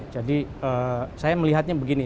jadi saya melihatnya begini